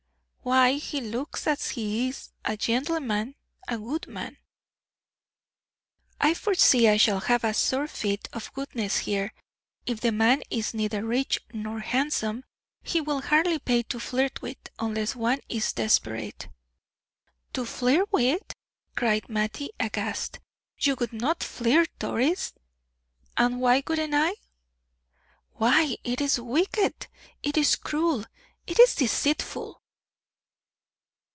"Why, he looks as he is, a gentleman, a good man." "I foresee I shall have a surfeit of goodness here. If the man is neither rich nor handsome, he will hardly pay to flirt with, unless one is desperate." "To flirt with!" cried Mattie, aghast. "You would not flirt, Doris?" "And why wouldn't I?" "Why, it is wicked. It is cruel, it is deceitful."